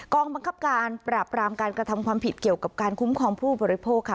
บังคับการปราบรามการกระทำความผิดเกี่ยวกับการคุ้มครองผู้บริโภคค่ะ